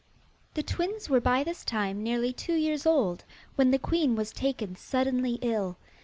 The twins were by this time nearly two years old, when the queen was taken suddenly ill.